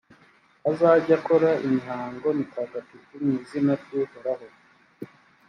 azajye akora imihango mitagatifu mu izina ry’uhoraho